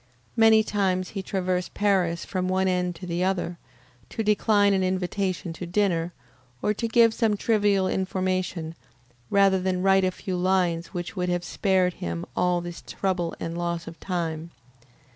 Many times he has traversed Paris from one end to the other, to decline an invitation to dinner, or to give some trivial information, rather than write a few lines which would have spared him all this trouble and loss of time.